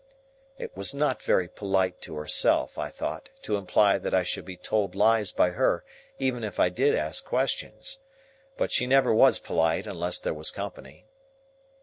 It was not very polite to herself, I thought, to imply that I should be told lies by her even if I did ask questions. But she never was polite unless there was company.